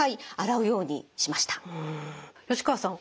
吉川さん